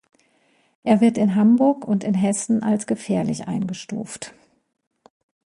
Er wird in Hamburg und in Hessen als gefährlich eingestuft.